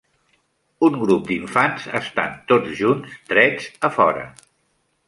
Un grup d'infants estan tots junts drets afora.